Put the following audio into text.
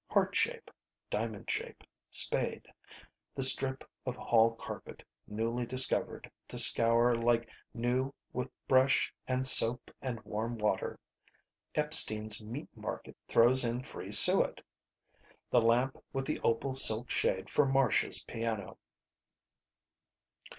Heart shape. Diamond shape. Spade. The strip of hall carpet newly discovered to scour like new with brush and soap and warm water. Epstein's meat market throws in free suet. The lamp with the opal silk shade for Marcia's piano.